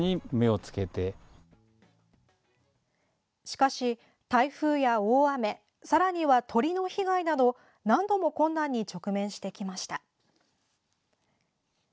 しかし、台風や大雨さらには鳥の被害など何度も困難に直面してきました。